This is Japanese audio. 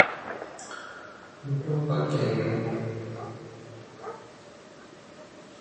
福島県広野町